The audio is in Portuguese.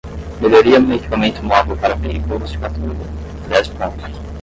Melhoria no equipamento móvel para veículos de patrulha: dez pontos.